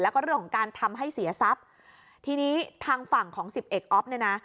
แล้วก็เรื่องของการทำให้เสียทรัพย์ทีนี้ทางฝั่งของสิบเอกอ๊อฟเนี่ยนะ